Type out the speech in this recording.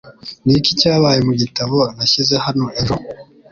Ni iki cyabaye mu gitabo nashyize hano ejo?